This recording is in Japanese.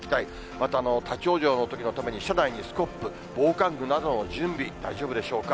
また、立往生のときのために車内にスコップ、防寒具などの準備、大丈夫でしょうか。